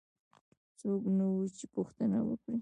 څوک نه وو چې پوښتنه وکړي.